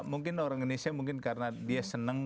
mungkin orang indonesia mungkin karena dia senang